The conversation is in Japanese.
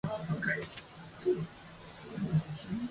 冬が終わって、北の国に戻っていく渡り鳥のように僕らは歩いた